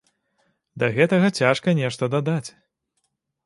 Да гэтага цяжка нешта дадаць.